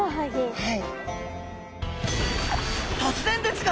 はい。